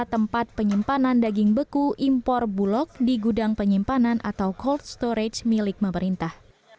tempat penyimpanan daging beku impor bulog di gudang penyimpanan atau cold storage milik pemerintah